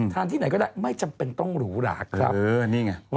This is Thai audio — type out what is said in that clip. ที่ไหนก็ได้ไม่จำเป็นต้องหรูหราครับ